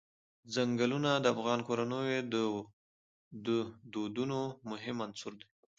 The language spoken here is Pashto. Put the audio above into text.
چنګلونه د افغان کورنیو د دودونو مهم عنصر دی.